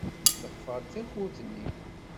Cleqfeɣ-d takurt-nni.